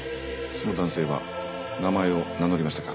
その男性は名前を名乗りましたか？